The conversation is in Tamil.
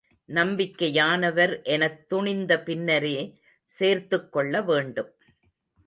நம்பிக்கையானவர் எனத் துணிந்த பின்னரே சேர்த்துக் கொள்ளவேண்டும்.